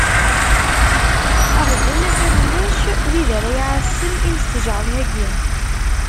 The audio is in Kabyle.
Aɣbel a-t-an ulac wid ara iɛassen imestjaren-agi.